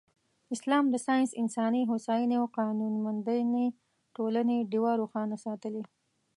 اسلام د ساینس، انساني هوساینې او قانونمندې ټولنې ډېوه روښانه ساتلې.